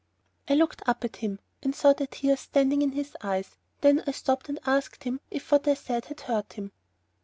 I looked up at him and saw the tears standing in his eyes; then I stopped and asked him if what I had said hurt him.